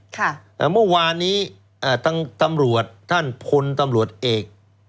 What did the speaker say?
แต่เมื่อวานนี้ตำรวจท่านพลตำรวจเอก